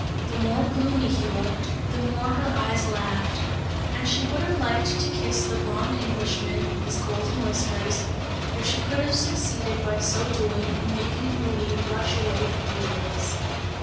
The more gloomy he looked, the more her eyes laughed and she would have liked to kiss the blonde Englishman with his golden whiskers, if she could have succeeded by so doing, in making Rudy rush away furious.